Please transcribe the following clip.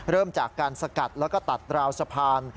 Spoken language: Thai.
เริ่มจากการสกัดแล้วก็ตัดราวสะพาน